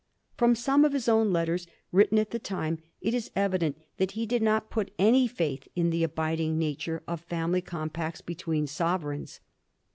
From some of his own letters written at th6 time it is evident that he did not put any faith in the abiding nature of family compacts between sovereigns.